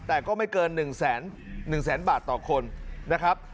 แต่ก็ไม่เกิน๑แสนบาทต่อคนนะครับ